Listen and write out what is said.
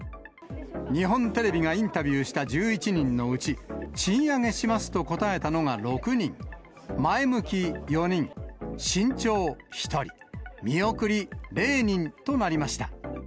日本テレビがインタビューした１１人のうち、賃上げしますと答えたのが６人、前向き４人、慎重１人、見送り０人となりました。